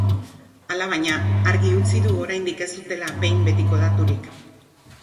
Alabaina, argi utzi du oraindik ez dutela behin betiko daturik.